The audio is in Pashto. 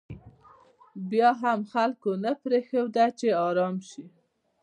بیا هم خلکو نه پرېښوده چې ارام شي.